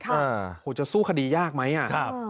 เอ่อโอ้โหจะสู้คดีหยากไหมอ่ะครับ